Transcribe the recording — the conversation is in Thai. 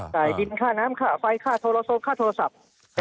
ใส่ดินค่ะน้ำค่ะไฟค่ะโทรโซมค่ะโทรศัพท์